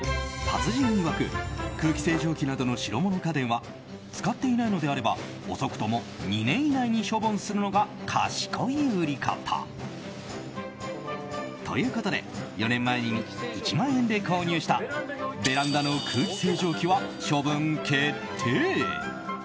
達人いわく空気清浄機などの白物家電は使っていないのであれば遅くとも２年以内に処分するのが賢い売り方。ということで４年前に１万円で購入したベランダの空気清浄機は処分決定。